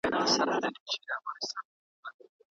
په حقیقت کي ټول علوم د انسان لپاره دي.